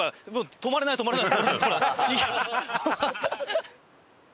止まれない止まれない。